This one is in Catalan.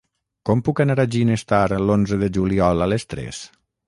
Com puc anar a Ginestar l'onze de juliol a les tres?